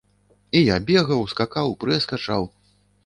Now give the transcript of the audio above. Я і бегаў, скакаў, прэс качаў.